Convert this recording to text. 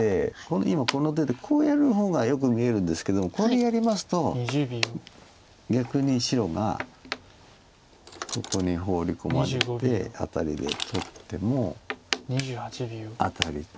今この手でこうやる方がよく見えるんですけどもこれやりますと逆に白がここにホウリ込まれてアタリで取ってもアタリと。